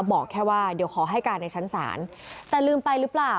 บอกแค่ว่าเดี๋ยวขอให้การในชั้นศาลแต่ลืมไปหรือเปล่า